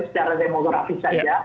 secara demografis saja